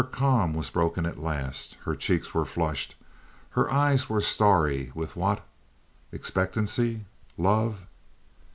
Her calm was broken at last. Her cheeks were flushed; her eyes were starry with what? Expectancy? Love?